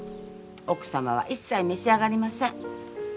奥様は一切召し上がりません。